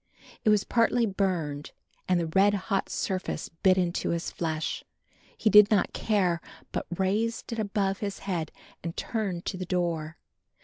It was partly burned and the red hot surface bit into his flesh. He did not care but raised it above his head and turned to the door.